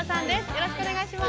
よろしくお願いします。